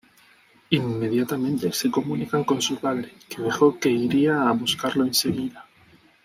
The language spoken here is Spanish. Inmediatamente se comunican con su padre que dejó que iría a buscarlo enseguida.